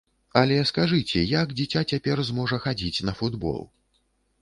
Але скажыце, як дзіця цяпер зможа хадзіць на футбол?